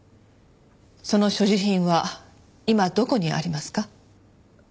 その所持品は今どこにありますか？